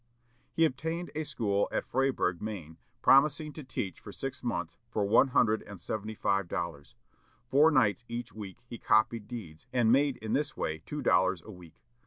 He obtained a school at Fryeburg, Maine, promising to teach for six months for one hundred and seventy five dollars. Four nights each week he copied deeds, and made in this way two dollars a week.